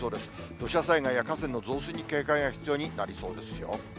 土砂災害や河川の増水に警戒が必要になりそうですよ。